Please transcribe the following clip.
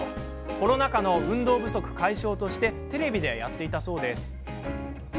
コロナ禍の運動不足解消としてテレビでやっていたそうです。